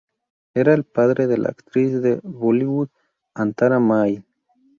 Era el padre de la actriz de Bollywood, Antara Mali.